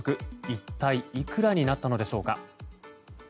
一体いくらになったのでしょうか。